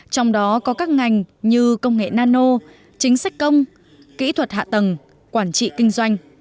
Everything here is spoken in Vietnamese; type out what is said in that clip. trong đó có các ngành như công nghệ nano chính sách công kỹ thuật hạ tầng quản trị kinh doanh